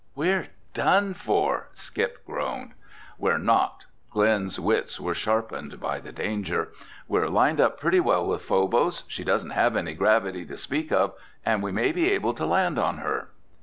"We're done for," Skip groaned. "We're not!" Glen's wits were sharpened by the danger. "We're lined up pretty well with Phobos. She doesn't have any gravity to speak of and we may be able to land on her."